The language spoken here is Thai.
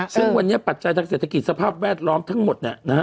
ซึ่งวันนี้ปัจจัยทางเศรษฐกิจสภาพแวดล้อมทั้งหมดเนี่ยนะฮะ